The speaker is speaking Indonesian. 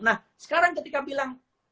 nah sekarang ketika bilang